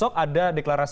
dan besok ada deklarasi